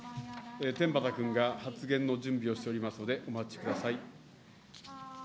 天畠君が発言の準備をしておりますので、お待ちください。